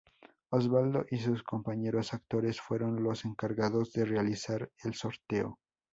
Osvaldo y sus compañeros actores fueron los encargados de realizar el sorteo.